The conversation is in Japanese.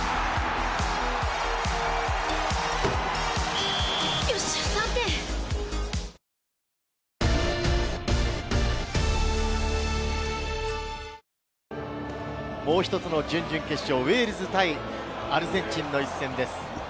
ハッハッハッハもう１つの準々決勝、ウェールズ対アルゼンチンの一戦です。